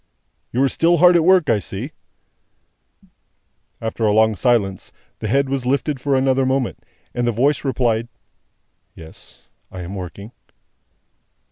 "You are still hard at work, I see?" After a long silence, the head was lifted for another moment, and the voice replied, "Yes I am working."